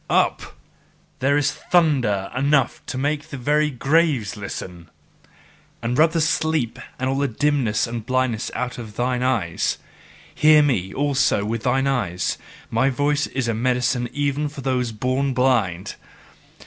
Up! There is thunder enough to make the very graves listen! And rub the sleep and all the dimness and blindness out of thine eyes! Hear me also with thine eyes: my voice is a medicine even for those born blind.